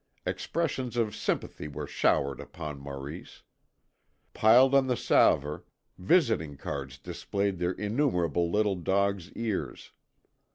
Expressions of sympathy were showered upon Maurice. Piled on the salver, visiting cards displayed their innumerable little dogs' ears.